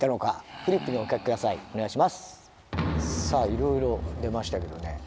さあいろいろ出ましたけどね。